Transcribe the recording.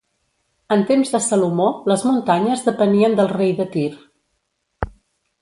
En temps de Salomó les muntanyes depenien del rei de Tir.